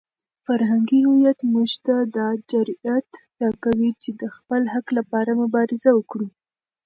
فرهنګي هویت موږ ته دا جرئت راکوي چې د خپل حق لپاره مبارزه وکړو.